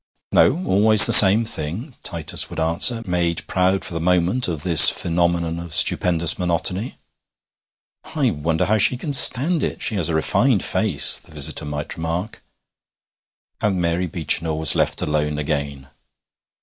'No, always the same thing,' Titus would answer, made proud for the moment of this phenomenon of stupendous monotony. 'I wonder how she can stand it she has a refined face,' the visitor might remark; and Mary Beechinor was left alone again.